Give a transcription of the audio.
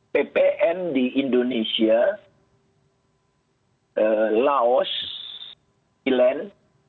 ppn di indonesia laos thailand